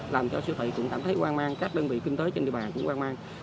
làm cho sưu thị cũng cảm thấy quan mang các đơn vị kinh tế trên địa bàn cũng quan mang